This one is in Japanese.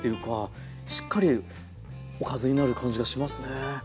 しっかりおかずになる感じがしますね。